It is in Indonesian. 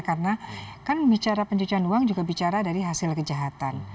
karena kan bicara pencucian uang juga bicara dari hasil kejahatan